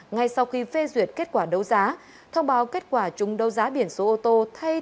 ngay sau khi phê duyệt kết quả đấu giá thông báo kết quả chúng đấu giá biển số ô tô thay